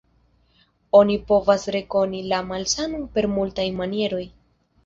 Oni povas rekoni la malsanon per multaj manieroj.